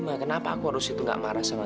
bang tak denger ya bang ya